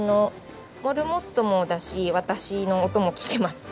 モルモットもだし私の音も聞けますし。